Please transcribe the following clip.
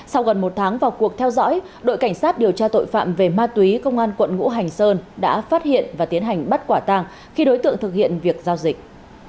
sau gần một tháng vào cuộc theo dõi đội cảnh sát điều tra tội phạm về ma túy công an quận ngũ hành sơn đã phát hiện và tiến hành bắt quả tàng khi đối tượng thực hiện việc giao dịch